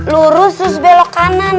lurus terus belok kanan